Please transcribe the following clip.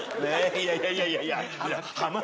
いやいやいやいや。